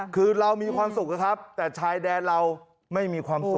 คือเรามีความสุขนะครับแต่ชายแดนเราไม่มีความสุข